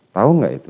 tahu enggak itu